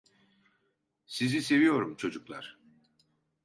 Sizi seviyorum çocuklar.